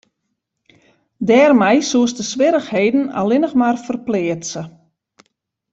Dêrmei soest de swierrichheden allinne mar ferpleatse.